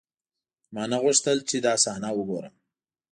ما نه غوښتل چې دا صحنه وګورم.